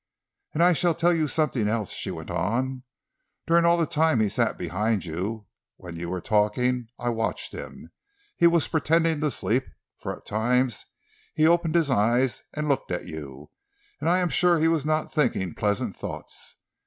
"And I shall tell you something else," she went on. "During all the time he sat behind you, when you were talking, I watched him, he was pretending to sleep, for at times he opened his eyes and looked at you, and I am sure he was not thinking pleasant thoughts.